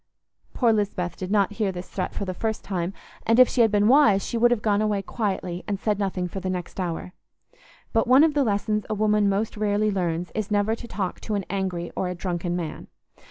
Poor Lisbeth did not hear this threat for the first time, and if she had been wise she would have gone away quietly and said nothing for the next hour. But one of the lessons a woman most rarely learns is never to talk to an angry or a drunken man.